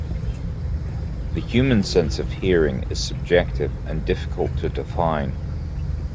The human sense of hearing is subjective and difficult to define.